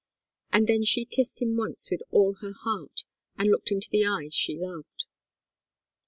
And then she kissed him once with all her heart, and looked into the eyes she loved.